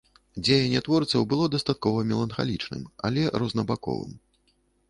Дзеянне творцаў было дастаткова меланхалічным, але рознабаковым.